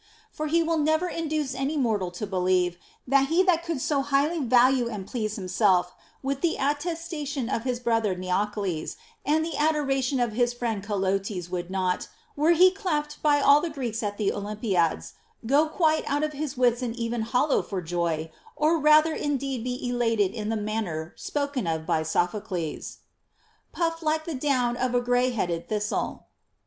For he will never induce any mortal to believe, that he that could so highly value and please himself with the attestation of his brother Neocles and the adoration of his friend Colotes would not, were he clapped by all the Greeks at the Olympiads, go quite out of his wits and even hollow for joy, or rather indeed be elated in the manner spoken of by Sophocles, Puffed like the down of a gray headed thistle.